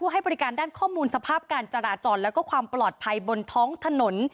ให้บริการด้านข้อมูลสภาพการจราจรแล้วก็ความปลอดภัยบนท้องถนน